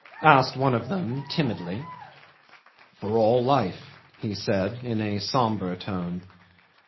asked one of them timidly. "For all life," he said, in a sombre tone.